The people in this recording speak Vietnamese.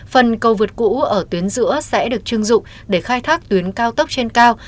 phần cầu vượt cũ ở tuyến giữa sẽ được chưng dụng để khai thác tuyến cao tốc trên cao